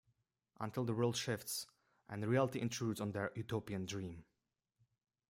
Until the world shifts, and reality intrudes on their utopian dream.